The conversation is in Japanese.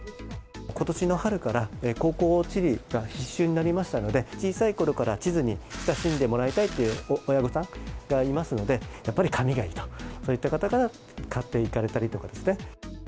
ことしの春から、高校の地理が必修になりましたので、小さいころから地図に親しんでもらいたいという親御さんがいますので、やっぱり紙がいいと、そういった方が買っていかれたりとかですね。